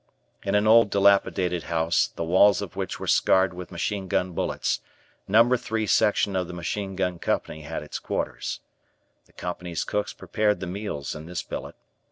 In an old dilapidated house, the walls of which were scarred with machine gun bullets, No. 3 section of the Machine Gun Company had its quarters. The Company's cooks prepared the meals in this billet.